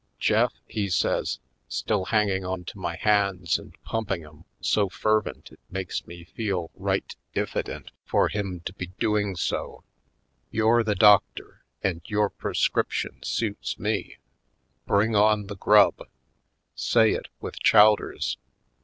"Jeff," he says, still hanging onto my hands and pumping 'em so fervent it makes me feel right diffident for him to be doing so, "you're the doctor and your prescrip tions suit me. Bring on the grub! Say it with chowders!